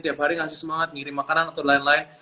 tiap hari ngasih semangat ngirim makanan atau lain lain